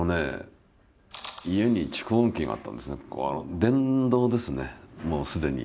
電動ですねもうすでに。